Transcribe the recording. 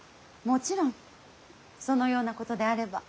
もちろんそのようなことであれば。